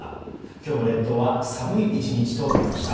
今日も列島は寒い１日となりました。